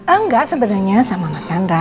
enggak sebenarnya sama mas chandra